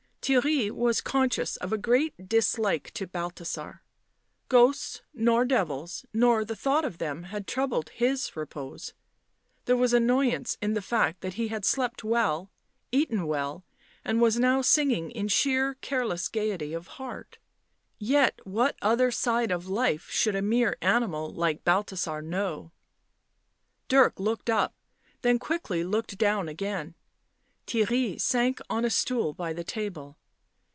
Theirry was conscious of a great dislike to Balthasar ; ghosts nor devils, nor the thought of them had troubled his repose ; there was annoyance in the fact that he had slept well, eaten well, and was now singing in sheer careless gaiety of heart ; yet what other side of life should a mere animal like Balthasar know? Dirk looked up, then quickly down again ; Theirry sank on a stool by the table.